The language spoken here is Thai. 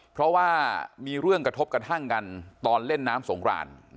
เพราะว่ามีเรื่องกระทบกระทั่งกันตอนเล่นน้ำสงคราน